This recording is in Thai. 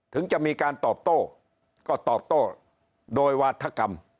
ถึงจะมีการตอบโต้ก็ตอบโต้โดยวาธกรรม